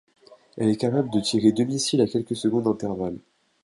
Elle est capable de tirer deux missiles à quelques secondes d'intervalle.